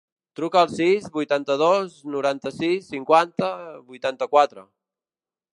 Truca al sis, vuitanta-dos, noranta-sis, cinquanta, vuitanta-quatre.